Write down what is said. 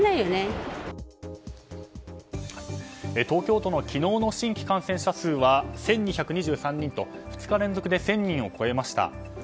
東京都の昨日の新規感染者数は１２２３人と２日連続で１０００人を超えました。